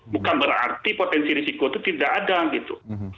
bukan berarti potensi risiko itu tidak ada gitu